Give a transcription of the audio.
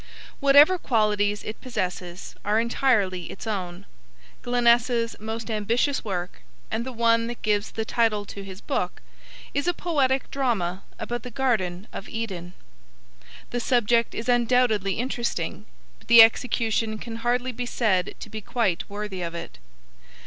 Whatever qualities it possesses are entirely its own. Glenessa's most ambitious work, and the one that gives the title to his book, is a poetic drama about the Garden of Eden. The subject is undoubtedly interesting, but the execution can hardly be said to be quite worthy of it.